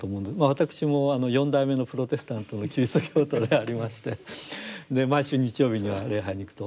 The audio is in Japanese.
私も４代目のプロテスタントのキリスト教徒でありまして毎週日曜日には礼拝に行くと。